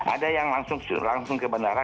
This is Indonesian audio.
ada yang langsung ke bandara